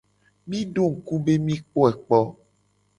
Mi do ngku be mi kpoe kpo.